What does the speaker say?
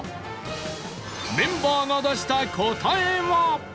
メンバーが出した答えは